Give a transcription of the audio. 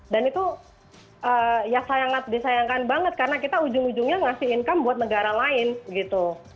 itu ya sangat disayangkan banget karena kita ujung ujungnya ngasih income buat negara lain gitu